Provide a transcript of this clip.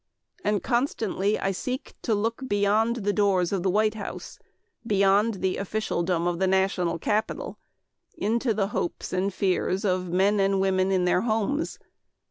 And constantly I seek to look beyond the doors of the White House, beyond the officialdom of the national capital, into the hopes and fears of men and women in their homes.